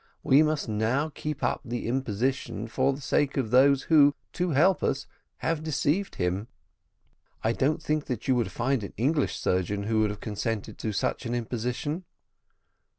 We must now keep up the imposition for the sake of those who, to help us, have deceived him." "I don't think that you would find an English surgeon who would have consented to such an imposition."